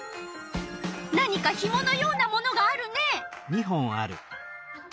何かひものようなものがあるね。